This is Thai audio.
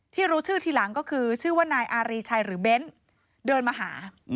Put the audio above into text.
รู้ชื่อทีหลังก็คือชื่อว่านายอารีชัยหรือเบ้นเดินมาหา